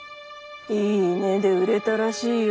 いい値で売れたらしいよ。